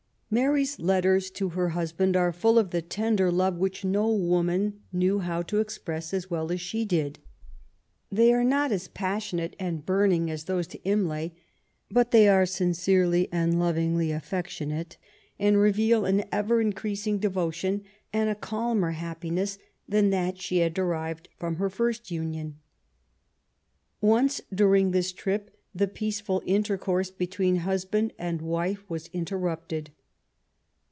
Mary^s letters to her husband are full of the tender love which no woman knew how to express as well as she did. They are not as passionate and burning as those to Imlay, but they are sincerely and lovingly affec tionate, and reveal an ever increasing devotion and a calmer happiness than that she had derived from her first union. Once during this trip the peaceful intercourse be tween husband and wife was interrupted.